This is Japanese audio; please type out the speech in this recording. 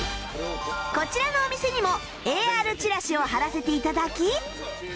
こちらのお店にも ＡＲ チラシを貼らせて頂き